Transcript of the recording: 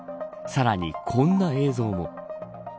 さらにこんな映像も。